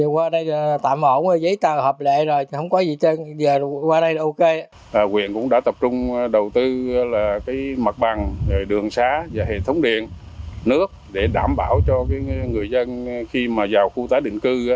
quyền đã tập trung đầu tư mặt bằng đường xá hệ thống điện nước để đảm bảo cho người dân khi vào khu tái định cư